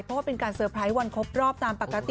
เพราะว่าเป็นการเตอร์ไพรส์วันครบรอบตามปกติ